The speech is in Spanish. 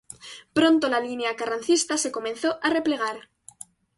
Pronto la línea carrancista se comenzó a replegar.